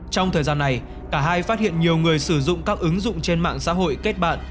trong thời gian này cả hai phát hiện nhiều người sử dụng các ứng dụng trên mạng xã hội kết bạn